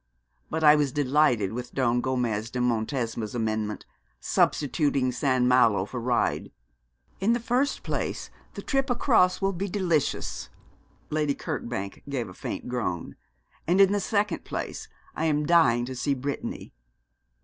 But I was delighted with Don Gomez de Montesma's amendment, substituting St. Malo for Ryde. In the first place the trip across will be delicious' Lady Kirkbank gave a faint groan 'and in the second place I am dying to see Brittany.'